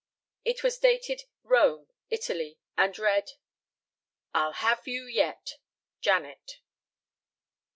It was dated Rome, Italy, and read: "I'll have you yet: Janet."